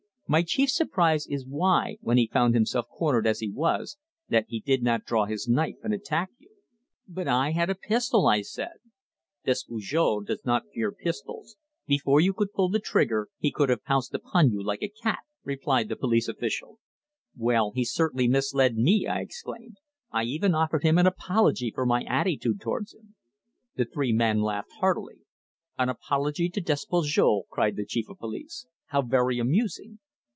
My chief surprise is why, when he found himself cornered as he was, that he did not draw his knife and attack you." "But I had a pistol!" I said. "Despujol does not fear pistols. Before you could pull the trigger he could have pounced upon you like a cat!" replied the police official. "Well, he certainly entirely misled me," I exclaimed. "I even offered him an apology for my attitude towards him." The three men laughed heartily. "An apology to Despujol!" cried the Chief of Police. "How very amusing!"